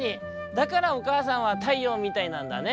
だからおかあさんは太陽みたいなんだね」。